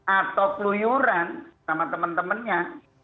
atau kluyuran sama temen temennya